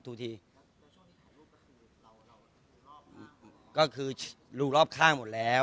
แล้วช่วงที่ถ่ายรูปก็คือเราดูรอบข้างหมดแล้ว